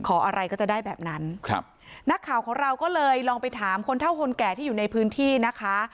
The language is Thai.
อะไรก็จะได้แบบนั้นครับนักข่าวของเราก็เลยลองไปถามคนเท่าคนแก่ที่อยู่ในพื้นที่นะคะ